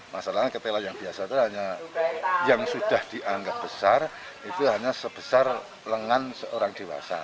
masalahnya ketela yang biasa itu hanya yang sudah dianggap besar itu hanya sebesar lengan seorang dewasa